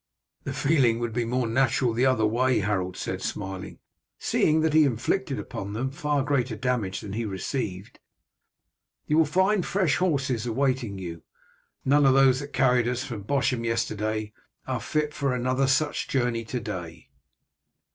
"The feeling would be more natural the other way," Harold said smiling, "seeing that he inflicted upon them far greater damage than he received. You will find fresh horses awaiting you. None of those that carried us from Bosham yesterday are fit for another such journey to day."